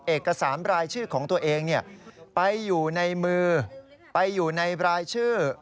เอกสารรายชื่อของตัวเองไปอยู่ในมือไปอยู่ในรายชื่อ